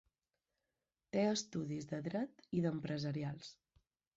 Té estudis de dret i d'empresarials.